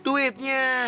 aku tuh butuh duitnya